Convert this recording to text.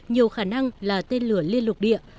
nhiều khả năng là tên lửa liên lục địa